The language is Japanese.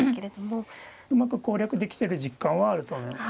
うまく攻略できてる実感はあると思います。